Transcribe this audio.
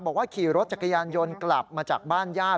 บอกว่าขี่รถจักรยานยนต์กลับมาจากบ้านญาติ